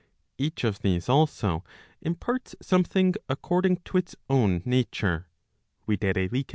Each of these also imparts something according to its own nature, viz.